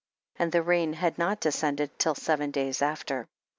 and the rain had not descended till seven days after.